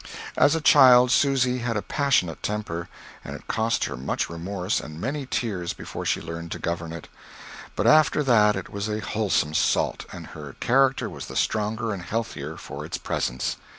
As a child, Susy had a passionate temper; and it cost her much remorse and many tears before she learned to govern it, but after that it was a wholesome salt, and her character was the stronger and healthier for its presence.